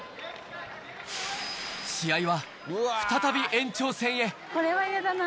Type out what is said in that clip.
試合は再び延長戦へ。